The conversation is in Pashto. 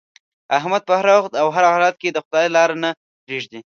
احمد په هر وخت او هر حالت کې د خدای لاره نه پرېږدي.